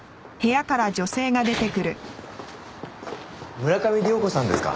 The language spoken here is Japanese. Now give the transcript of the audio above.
村上涼子さんですか？